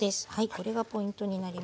これがポイントになります。